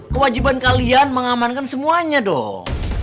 kewajiban kalian mengamankan semuanya dong